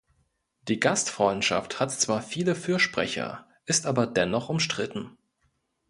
Die Gastfreundschaft hat zwar viele Fürsprecher, ist aber dennoch umstritten.